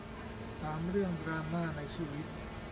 สาม เรื่องดราม่าในชีวิต